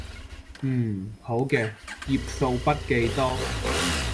嗯，好嘅，頁數筆記多